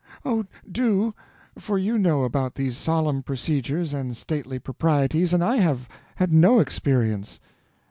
"Oh, do—for you know about these solemn procedures and stately proprieties, and I have had no experience."